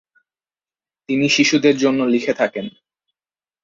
তিনি শিশুদের জন্য লিখে থাকেন।